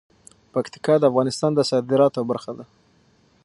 پکتیکا د افغانستان د صادراتو برخه ده.